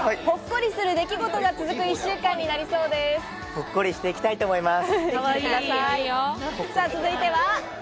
ほっこりしていきたいと思います。